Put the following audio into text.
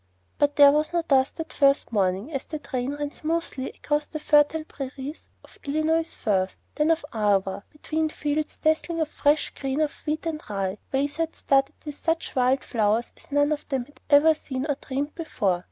But there was no dust that first morning, as the train ran smoothly across the fertile prairies of Illinois first, and then of Iowa, between fields dazzling with the fresh green of wheat and rye, and waysides studded with such wild flowers as none of them had ever seen or dreamed of before.